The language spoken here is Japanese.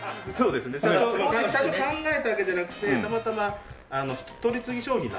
最初考えたわけじゃなくてたまたま取次商品なんです。